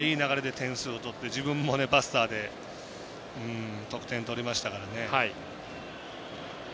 あとは打線がいい流れで点数を取って自分もバスターで得点取りましたからね。